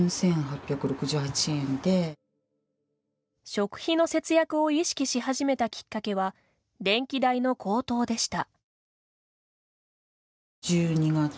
食費の節約を意識し始めたきっかけは電気代の高騰でした。